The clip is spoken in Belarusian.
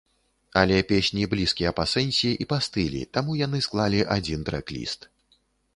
Але песні блізкія па сэнсе і па стылі, таму яны склалі адзін трэк-ліст.